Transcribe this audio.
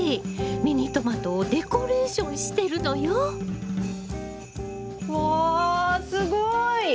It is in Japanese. ミニトマトをデコレーションしてるのよ！わすごい！